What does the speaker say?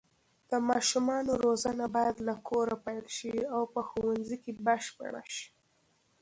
د ماشومانو روزنه باید له کوره پیل شي او په ښوونځي کې بشپړه شي.